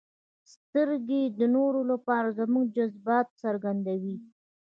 • سترګې د نورو لپاره زموږ د جذباتو څرګندوي.